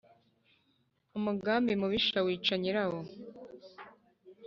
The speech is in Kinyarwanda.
umugambi mubisha wica nyirawo